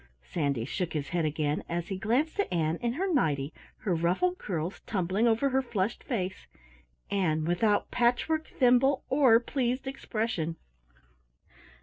Sandy shook his head again, as he glanced at Ann in her nighty, her ruffled curls tumbling over her flushed face Ann without patchwork, thimble, or pleased expression!